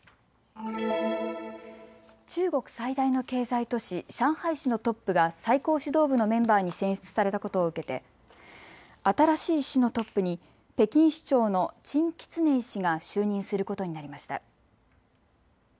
中国最大の経済都市上海市のトップが最高指導部のメンバーに選出されたことを受けて新しい市のトップに北京市長の陳吉寧氏が就任することになりました。